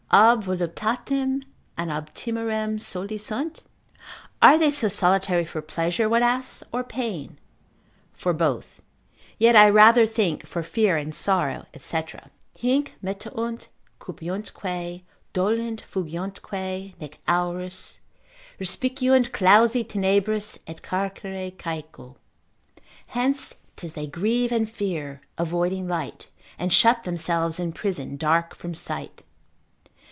Ob voluptatem, an ob timorem soli sunt? Are they so solitary for pleasure (one asks,) or pain? for both; yet I rather think for fear and sorrow, &c. Hinc metuunt cupiuntque, dolent fugiuntque, nec auras Respiciunt, clausi tenebris, et carcere caeco. Hence 'tis they grieve and fear, avoiding light, And shut themselves in prison dark from sight.